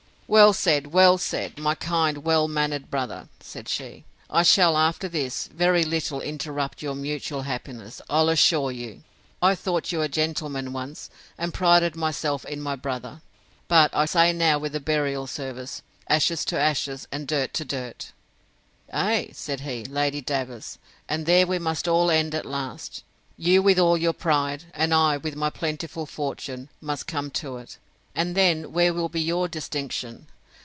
Well said, well said, my kind, my well mannered brother! said she. I shall, after this, very little interrupt your mutual happiness, I'll assure you. I thought you a gentleman once, and prided myself in my brother: But I'll say now with the burial service, Ashes to ashes, and dirt to dirt! Ay, said he, Lady Davers, and there we must all end at last; you with all your pride, and I with my plentiful fortune, must come to it; and then where will be your distinction?